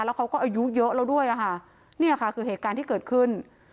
แล้วเขาก็อายุเยอะแล้วด้วยอะค่ะเนี่ยค่ะคือเหตุการณ์ที่เกิดขึ้น